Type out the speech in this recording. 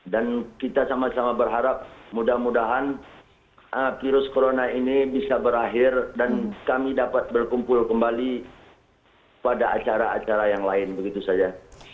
dan kita sama sama berharap mudah mudahan virus corona ini bisa berakhir dan kami dapat berkumpul kembali pada acara acara yang lain begitu saja